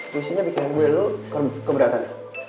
tuisinya bikin gue dan lo keberatan